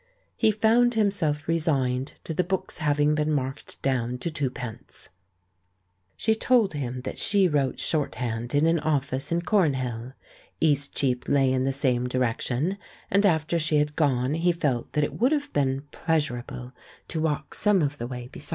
He found himself resigned to the book's hav ing been marked down to twopence. She told him that she wrote shorthand in an office in Cornhill. Eastcheap lay in the same di rection, and after she had gone he felt that it would have been pleasurable to walk some of the way beside her.